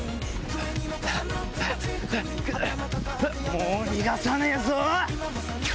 もう逃がさねえぞ！